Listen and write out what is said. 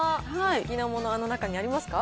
お好きなもの、あの中にありますか。